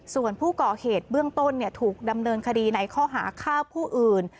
ส่วนผู้ก่อเหตุเบื้องต้นถูกดำเนินคดีในข้อหาฆ่าผู้อื่น